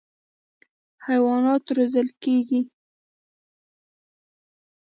حیوانات روزل کېږي.